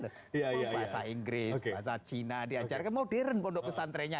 bahasa inggris bahasa cina diajarkan modern pondok pesantrennya